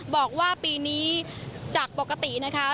บอกว่าปีนี้จากปกตินะคะ